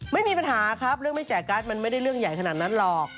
ไม่มีปัญหาครับเรื่องไม่แจกการ์ดมันไม่ได้เรื่องใหญ่ขนาดนั้นหรอก